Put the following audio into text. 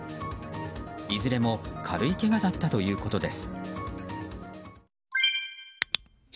いずれも軽いけがだったということです。